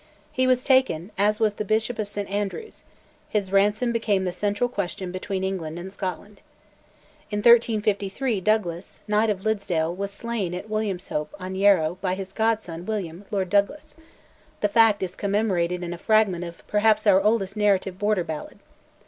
He was taken, as was the Bishop of St Andrews; his ransom became the central question between England and Scotland. In 1353 Douglas, Knight of Liddesdale, was slain at Williamshope on Yarrow by his godson, William, Lord Douglas: the fact is commemorated in a fragment of perhaps our oldest narrative Border ballad.